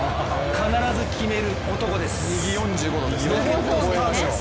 必ず決める男です。